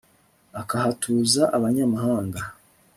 akahatuza abanyamahanga